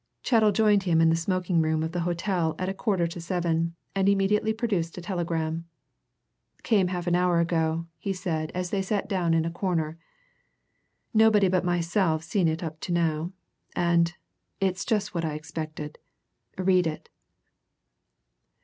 Chettle joined him in the smoking room of the hotel at a quarter to seven, and immediately produced a telegram. "Came half an hour ago," he said as they sat down in a corner. "Nobody but myself seen it up to now. And it's just what I expected. Read it."